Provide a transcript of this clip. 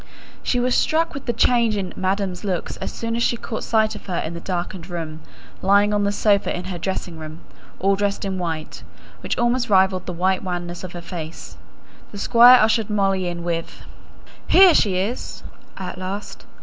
She was struck with the change in "madam's" look as soon as she caught sight of her in the darkened room, lying on the sofa in her dressing room, all dressed in white, which almost rivalled the white wanness of her face. The Squire ushered Molly in with, "Here she is at last!"